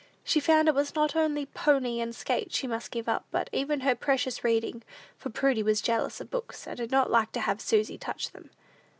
She found it was not only pony and skates she must give up, but even her precious reading, for Prudy was jealous of books, and did not like to have Susy touch them.